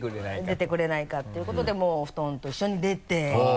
「出てくれないか」っていうことでもう布団と一緒に出て。